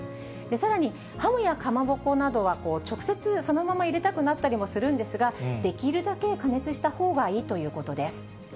さらにハムやかまぼこなどは、直接そのまま入れたくなってしまうかもしれませんが、できるだけ加熱したほうがいいということです。